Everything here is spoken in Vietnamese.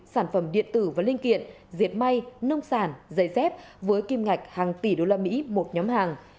sản phẩm điện tử và linh kiện diệt may nông sản giấy dép với kim ngạch hàng tỷ đô la mỹ một nhóm hàng